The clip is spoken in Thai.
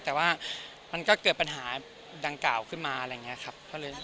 แต่ว่ามันก็เกิดปัญหาดังกล่าวขึ้นมาอะไรอย่างนี้ครับ